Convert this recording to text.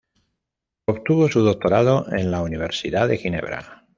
Obtuvo su doctorado en la Universidad de Ginebra.